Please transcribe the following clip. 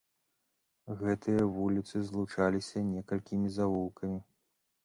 Гэтыя вуліцы злучаліся некалькімі завулкамі.